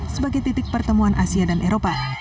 sebagai titik pertemuan asia dan eropa